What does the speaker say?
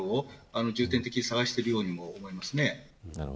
重点的に探しているように思います。